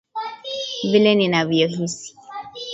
Vile ninavyohisi